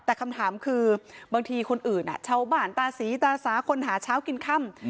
แต่คำถามคือบางทีคนอื่นชาวบ้านตาสีตาสาคนหาเช้ากินค่ำ